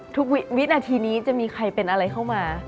วินาทีนี้จะมีใครเป็นอะไรเข้ามา